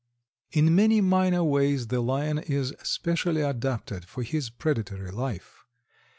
In many minor ways the Lion is specially adapted for his predatory life.